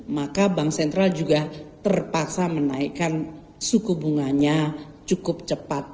maka bank sentral juga terpaksa menaikkan suku bunganya cukup cepat